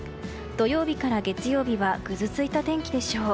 土曜日から月曜日はぐずついた天気でしょう。